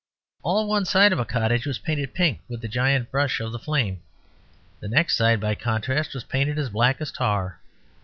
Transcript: All one side of a cottage was painted pink with the giant brush of flame; the next side, by contrast, was painted as black as tar.